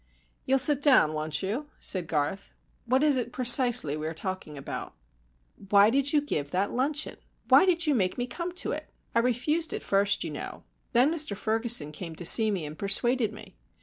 "You'll sit down, won't you?" said Garth. "What is it precisely we are talking about?" "Why did you give that luncheon? Why did you make me come to it? I refused at first, you know. Then Mr Ferguson came to see me and persuaded me.